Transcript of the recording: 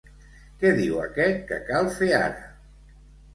Què diu aquest que cal fer ara?